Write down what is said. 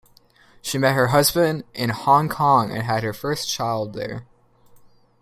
She met her husband in Hong Kong and had her first child there.